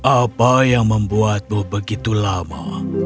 apa yang membuatmu begitu lama